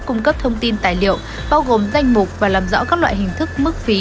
cung cấp thông tin tài liệu bao gồm danh mục và làm rõ các loại hình thức mức phí